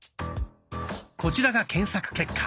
こちらが検索結果。